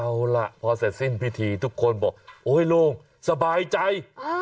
เอาล่ะพอเสร็จสิ้นพิธีทุกคนบอกโอ๊ยโล่งสบายใจ